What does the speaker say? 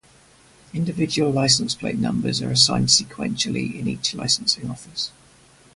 Individual license plate numbers are assigned sequentially in each licensing office.